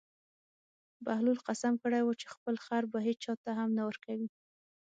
بهلول قسم کړی و چې خپل خر به هېچا ته هم نه ورکوي.